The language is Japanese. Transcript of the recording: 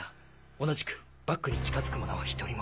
同じくバッグに近づく者は１人も。